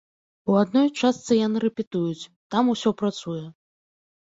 У адной частцы яны рэпетуюць, там усе працуе.